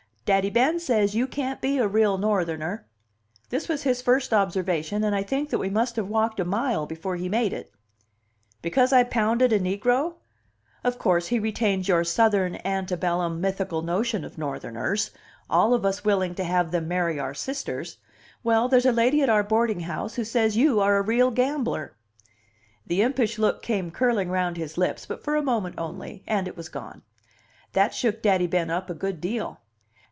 "Daddy Ben says you can't be a real Northerner." This was his first observation, and I think that we must have walked a mile before he made it. "Because I pounded a negro? Of course, he retains your Southern ante bellum mythical notion of Northerners all of us willing to have them marry our sisters. Well, there's a lady at our boarding house who says you are a real gambler." The impish look came curling round his lips, but for a moment only, and it was gone. "That shook Daddy Ben up a good deal."